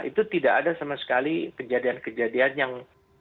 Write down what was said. itu tidak ada sama sekali kejadian kejadian yang